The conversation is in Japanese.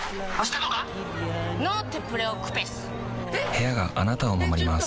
部屋があなたを守ります